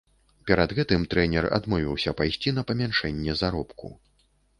Перад гэтым трэнер адмовіўся пайсці на памяншэнне заробку.